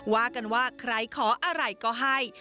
ว่ากันว่าใครขออะไรก็ให้